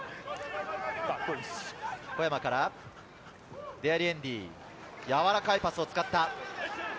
小山からデアリエンディ、やわらかいパスを使った。